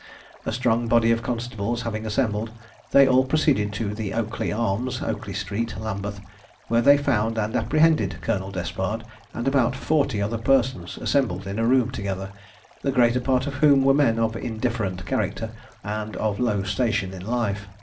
A strong body of constables having assembled, they all proceeded to the Oakley Arms, Oakley street, Lambeth, where they found and apprehended Colonel Despard and about forty other persons assembled in a room together, the greater part of whom were men of indifferent character, and of low station in life.